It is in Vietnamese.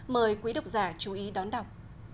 mời quý đọc giả chú ý đón đọc